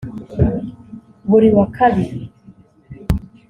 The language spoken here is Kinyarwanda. Buri wa kabiri